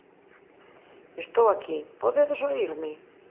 Estou aquí, podedes oírme?